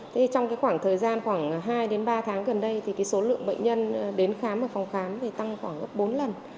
trong khoảng thời gian khoảng hai đến ba tháng gần đây số lượng bệnh nhân đến khám và phòng khám tăng khoảng gấp bốn lần